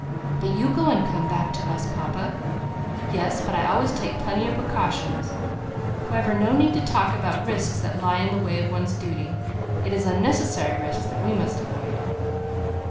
"But you go and come back to us, papa." "Yes. But I always take plenty of precautions. However, no need to talk about risks that lie in the way of one's duty. It is unnecessary risks that we must avoid."